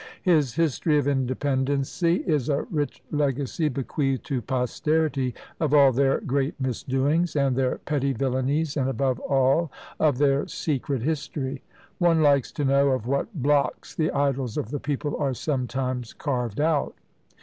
His "History of Independency" is a rich legacy bequeathed to posterity, of all their great misdoings, and their petty villanies, and, above all, of their secret history. One likes to know of what blocks the idols of the people are sometimes carved out.